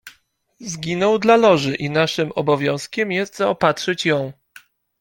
"Zginął dla Loży i naszym, obowiązkiem jest zaopatrzyć ją."